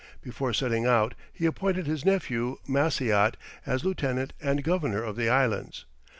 Before setting out he appointed his nephew Maciot as lieutenant and governor of the islands.